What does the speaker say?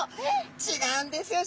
違うんですよ